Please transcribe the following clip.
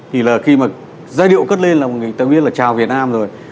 thì là khi mà giai điệu cất lên là một người ta biết là chào việt nam rồi